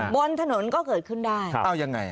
บนถนนก็เกิดขึ้นได้